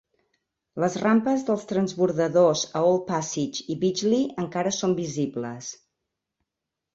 Les rampes dels transbordadors a Old Passage i Beachley encara són visibles.